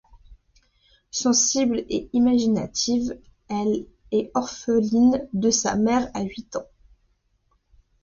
Sensible et imaginative, elle est orpheline de sa mère à huit ans.